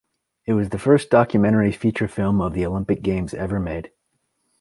It was the first documentary feature film of the Olympic Games ever made.